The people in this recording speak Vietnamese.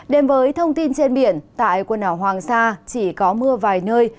đến với thông tin trên biển tại quần đảo hoàng sa chỉ có mưa vài nơi